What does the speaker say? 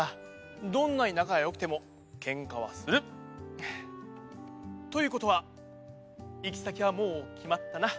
どんなになかがよくてもケンカはする！ということはいきさきはもうきまったな。